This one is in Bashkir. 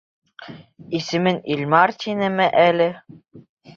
Исемен Илмар, тинеме әле?